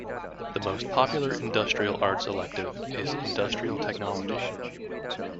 The most popular Industrial Arts elective is Industrial Technology.